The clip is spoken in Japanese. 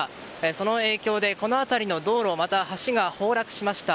その影響でこの辺りの道路、橋が崩落しました。